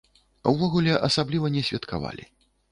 Увогуле асабліва не святкавалі.